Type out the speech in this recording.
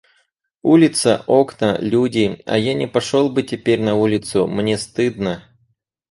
Улица, окна, люди, а я не пошел бы теперь на улицу — мне стыдно.